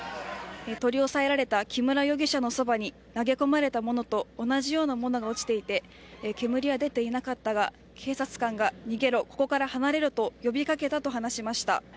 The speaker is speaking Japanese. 取り押さえられた木村容疑者のそばに投げ込まれたものと同じようなものが落ちていて煙は出ていなかったが警察官が逃げろ、ここから離れろと呼び掛けたと話しました。